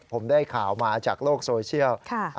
ผมได้ข่าวมาจากโลกโซเชียล